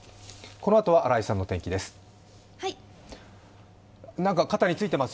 このあとは新井さんの天気です。